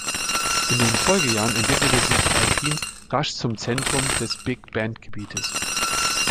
In den Folgejahren entwickelte sich Alpine rasch zum Zentrum des Big Bend-Gebietes.